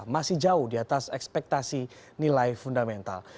masih jauh di atas ekspektasi nilai fundamental